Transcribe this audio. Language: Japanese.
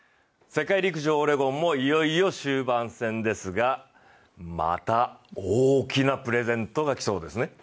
世界陸上オレゴンもいよいよ終盤戦ですがまた大きなプレゼントがきそうですね。